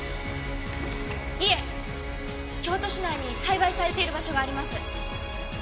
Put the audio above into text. いえ京都市内に栽培されている場所があります。